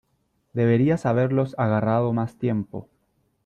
Deberías haberlos agarrado más tiempo .